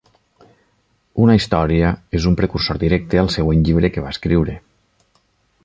Una història és un precursor directe al següent llibre que va escriure.